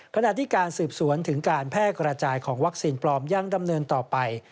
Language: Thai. ขณะที่การสืบสวนถึงการแพร่กระจายของวัคซีนปลอมยังดำเนินต่อไป